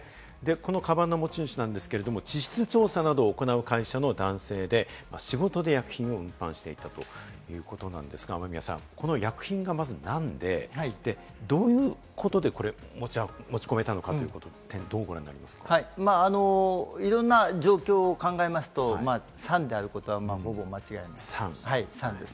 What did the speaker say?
このカバンの持ち主ですが、地質調査などを行う会社の男性で、仕事で薬品を運搬していたということなんですが、雨宮さん、この薬品がまず何で、どういうことで持ち込めたのかいろんな状況を考えますと、酸であることはほぼ間違いないです。